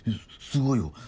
すごいよ。